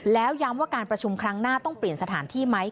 แล้วย้ำว่าการประชุมครั้งหน้าต้องเปลี่ยนสถานที่ไหม